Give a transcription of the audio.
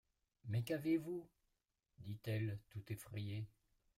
Mais qu'avez-vous ? dit-elle tout effrayée.